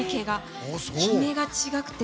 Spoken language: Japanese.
きめが違くて。